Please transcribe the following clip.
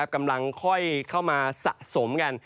กำลังค่อยเข้ามาสะสมกัน